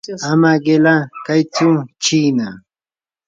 ama qila kaytsu chiina.